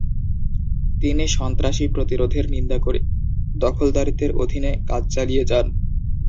তিনি সন্ত্রাসী প্রতিরোধের নিন্দা করে দখলদারিত্বের অধীনে কাজ চালিয়ে যান।